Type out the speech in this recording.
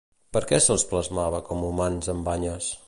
Per què se'ls plasmava com humans amb banyes?